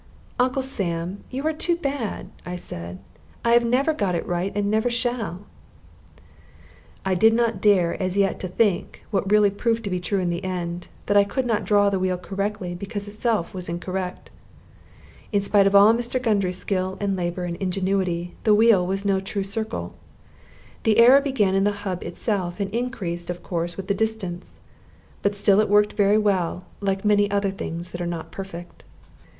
"Uncle Sam, you are too bad," I said. "I have never got it right, and I never shall." I did not dare as yet to think what really proved to be true in the end that I could not draw the wheel correctly because itself was incorrect. In spite of all Mr. Gundry's skill and labor and ingenuity, the wheel was no true circle. The error began in the hub itself, and increased, of course, with the distance; but still it worked very well, like many other things that are not perfect.